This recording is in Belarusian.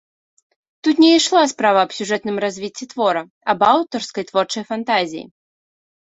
Тут не ішла справа аб сюжэтным развіцці твора, аб аўтарскай творчай фантазіі.